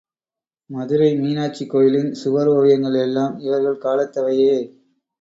மதுரை மீனாட்சி கோயிலின் சுவர் ஓவியங்கள் எல்லாம் இவர்கள் காலத்தவையே.